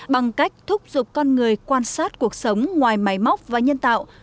bằng cách thúc giục con người quan sát cuộc sống ngoài máy móc và nhân tạo